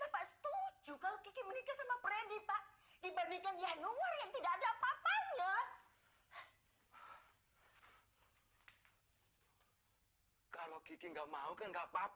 pasti dia dan orang lain pak